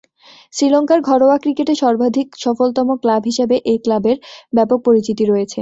শ্রীলঙ্কার ঘরোয়া ক্রিকেটে সর্বাধিক সফলতম ক্লাব হিসেবে এ ক্লাবের ব্যাপক পরিচিতি রয়েছে।